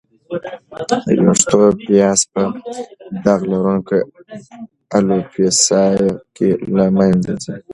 د وېښتو پیاز په داغ لرونکې الوپیسیا کې له منځه ځي.